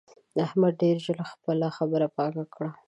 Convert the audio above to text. احمد ډېر ژر خپله خبره پاکه کړه.